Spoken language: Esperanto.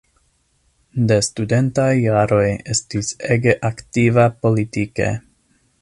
De studentaj jaroj estis ege aktiva politike.